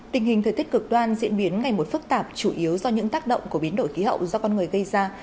tình hình thời tiết cực đoan diễn biến ngày một phức tạp chủ yếu do những tác động của biến đổi khí hậu do con người gây ra